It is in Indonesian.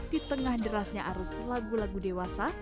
di tengah derasnya arus lagu lagu dewasa